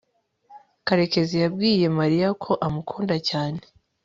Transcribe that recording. karekezi yabwiye mariya ko amukunda cyane